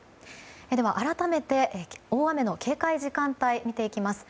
では、改めて大雨の警戒時間帯を見ていきます。